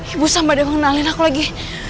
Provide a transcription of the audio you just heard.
ibu sama dewa kenalin aku lagi